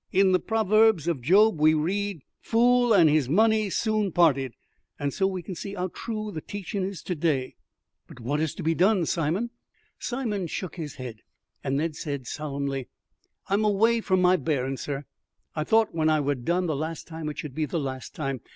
In the Proverbs of Job we read, 'fool and his money soon parted,' and so we can see 'ow true the teachin' is to day." "But what is to be done, Simon?" Simon shook his head, and then said solemnly, "I'm away from my bearin's, sur. I thought when I wur done the last time it should be the last time.